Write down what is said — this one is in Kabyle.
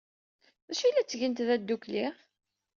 D acu ay la ttgent da ddukkli?